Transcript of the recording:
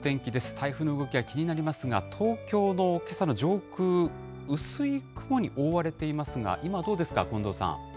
台風の動きが気になりますが、東京のけさの上空、薄い雲に覆われていますが、今、どうですか？